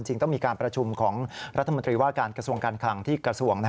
ต้องมีการประชุมของรัฐมนตรีว่าการกระทรวงการคลังที่กระทรวง